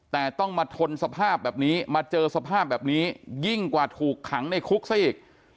แต่ต้องมาทนสภาพแบบนี้มาเจอสภาพแบบนี้ยิ่งกว่าถูกขังในคุกซะอีก